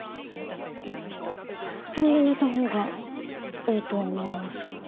いや布団で寝たほうがいいとは思いますが。